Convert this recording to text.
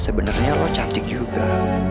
sebenarnya lo cantik juga